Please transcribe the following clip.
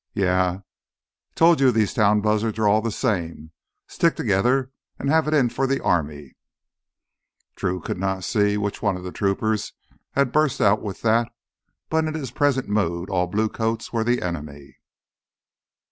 "Yeah, told yuh these town buzzards're all th' same. Stick together an' have it in for th' army!" Drew could not see which of the troopers had burst out with that, but in his present mood all bluecoats were the enemy.